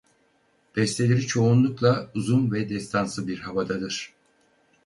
Besteleri çoğunlukla uzun ve destansı bir havadadır.